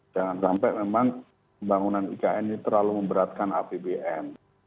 jangan sampai memang pembangunan ikn ini terlalu memberatkan apbn